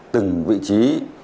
từng vị trí